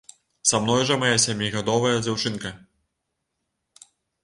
Са мной жа мая сямігадовая дзяўчынка.